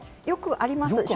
よくあります。